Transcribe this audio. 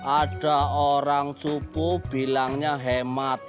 ada orang suku bilangnya hemat